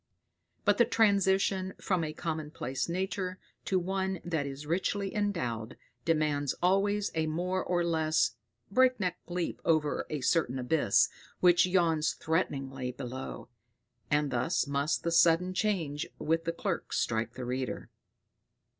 But the transition from a commonplace nature to one that is richly endowed, demands always a more or less breakneck leap over a certain abyss which yawns threateningly below; and thus must the sudden change with the clerk strike the reader.